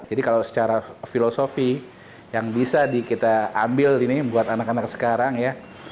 jadi kalau secara filosofi yang bisa kita ambil ini buat anak anak sekarang ya